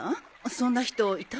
そんな人いた？